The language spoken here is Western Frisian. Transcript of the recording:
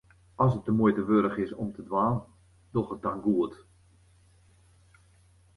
As it de muoite wurdich is om te dwaan, doch it dan goed.